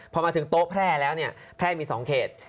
พอมาถึงโต๊ะแพร่แล้วแพร่มีสองเขต